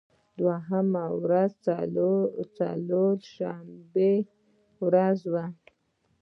دوهمه ورځ د چهار شنبې ورځ وه.